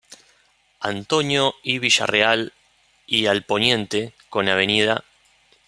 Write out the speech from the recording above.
Antonio I. Villarreal y al poniente con Av.